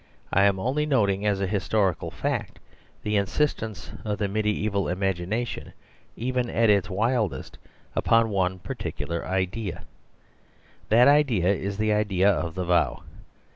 I am only noting as a historical fact the insistence of the mediaeval imagination, even at its wildest, upon one particular idea. That idea is the idea of the vow.